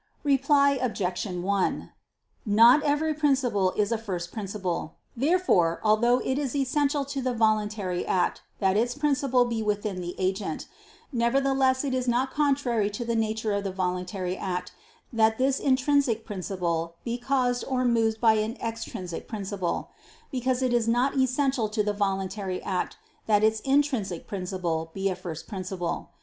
Reply Obj. 1: Not every principle is a first principle. Therefore, although it is essential to the voluntary act that its principle be within the agent, nevertheless it is not contrary to the nature of the voluntary act that this intrinsic principle be caused or moved by an extrinsic principle: because it is not essential to the voluntary act that its intrinsic principle be a first principle.